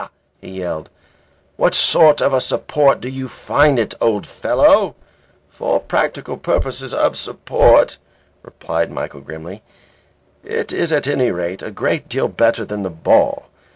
he yelled, "what sort of a support do you find it, old fellow?" "For practical purposes of support," replied Michael grimly, "it is at any rate a great deal better than the ball.